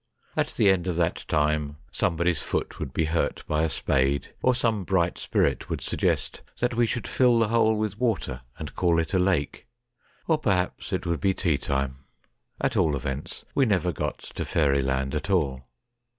At the end of that time somebody's foot would be hurt by a spade, or some bright spirit would suggest that we should fill the hole with water and call it a lake. Or, perhaps, it would be teatime at all events, we never got to fairyland at all.